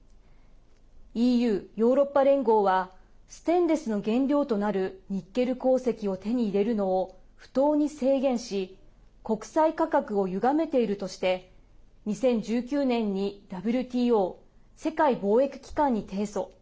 ＥＵ＝ヨーロッパ連合はステンレスの原料となるニッケル鉱石を手に入れるのを不当に制限し国際価格をゆがめているとして２０１９年にＷＴＯ＝世界貿易機関に提訴。